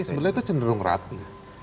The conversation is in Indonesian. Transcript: sebenarnya itu cenderung rapi